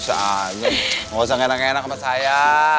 bisa aja gak usah gak enak gak enak sama saya